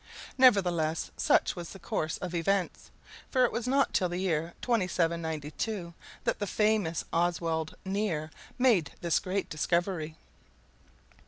Nevertheless, such was the course of events, for it was not till the year 2792 that the famous Oswald Nier made this great discovery.